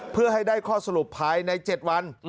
เพื่อให้ได้ข้อสรุปภายใน๗วัน